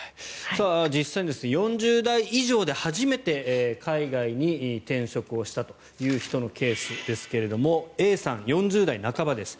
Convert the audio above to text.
実際に４０代以上で初めて海外に転職したという人のケースですがＡさん、４０代半ばです。